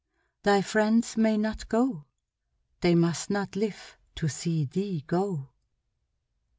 Thy friends may not go. They must not live to see thee go!"